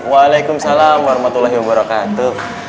waalaikumsalam warahmatullahi wabarakatuh